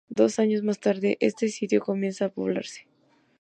Dos años más tarde, este sitio comienza a poblarse.